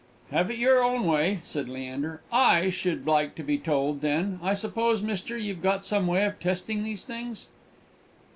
"Have it your own way!" said Leander. "I should like to be told, then. I suppose, mister, you've some way of testing these things?"